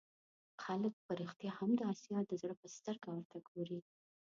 خلک په رښتیا هم د آسیا د زړه په سترګه ورته وګوري.